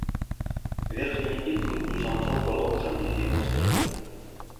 Верхнія іклы ў самцоў падоўжаныя і вострыя.